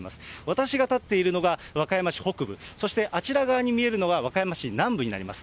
私が立っているのが和歌山市北部、そしてあちら側に見えるのが、和歌山市南部になります。